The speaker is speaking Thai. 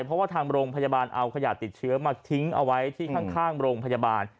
เพราะว่าทางโรงพยาบาลเอาขยะติดเชื้อมาทิ้งเอาไว้ที่ข้างโรงพยาบาล